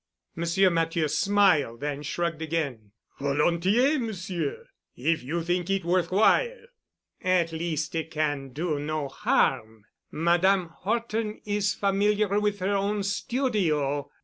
Monsieur Matthieu smiled and shrugged again. "Volontiers, Monsieur, if you think it worth while." "At least it can do no harm. Madame Horton is familiar with her own studio.